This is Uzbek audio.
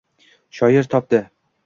Shoir topdi